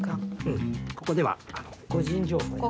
うんここでは個人情報や。